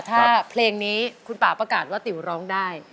ถ้าเพลงนี้คุณป่าประกาศว่าติ๋วร้องได้